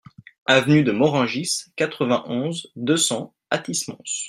Avenue de Morangis, quatre-vingt-onze, deux cents Athis-Mons